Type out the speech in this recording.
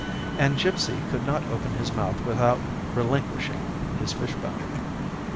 And Gipsy could not open his mouth without relinquishing his fishbone.